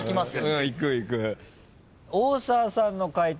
大沢さんの解答